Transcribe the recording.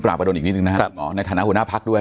ปราบัดนอีกนิดนึงนะครับครับอ๋อในฐาณหัวหน้าภาคด้วย